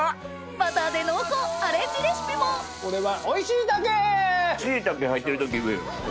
バターで濃厚アレンジレシピもこれは。